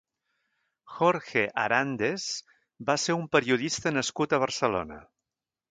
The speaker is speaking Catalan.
Jorge Arandes va ser un periodista nascut a Barcelona.